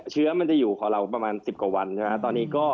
เชื้อมันจะอยู่ของเราประมาณ๑๐กว่าวันใช่ไหมตอนนี้ก็